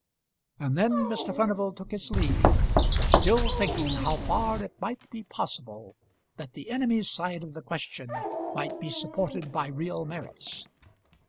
And then Mr. Furnival took his leave, still thinking how far it might be possible that the enemy's side of the question might be supported by real merits.